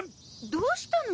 どうしたの？